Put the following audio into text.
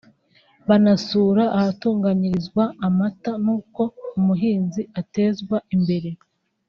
banasura ahatunganyirizwa amata n’uko umuhinzi atezwa imbere